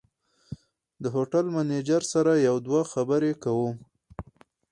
د هوټل منیجر سره یو دوه خبرې کوم.